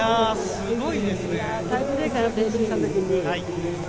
すごいですね。